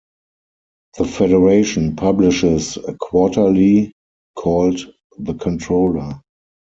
The Federation publishes a quarterly, called "The Controller".